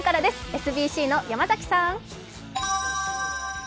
ＳＢＣの山崎さん。